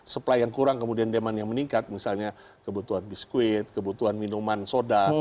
supply yang kurang kemudian demand yang meningkat misalnya kebutuhan biskuit kebutuhan minuman soda